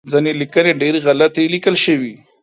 ځینې لیکنې ډیری غلطې لیکل شوی